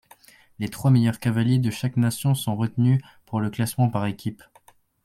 Les trois meilleurs cavaliers de chaque nation sont retenus pour le classement par équipe.